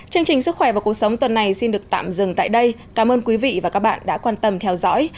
chương trình sức khỏe và cuộc sống tuần này xin được tạm dừng tại đây cảm ơn quý vị và các bạn đã quan tâm theo dõi